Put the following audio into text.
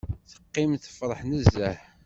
Teqqim tefṛeḥ nezzeh.